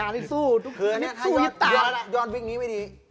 ท่อพี่อย่อยน่าแล้วกฎเลยนะ